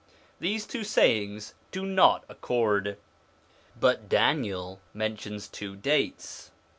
These two sayings do not accord. But Daniel mentions two dates.